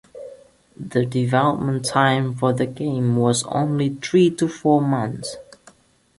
The development time for the game was only three to four months.